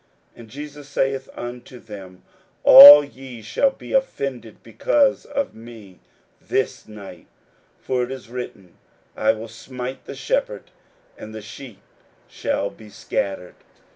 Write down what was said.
41:014:027 And Jesus saith unto them, All ye shall be offended because of me this night: for it is written, I will smite the shepherd, and the sheep shall be scattered.